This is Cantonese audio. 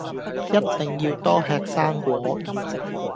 一定要多吃生菓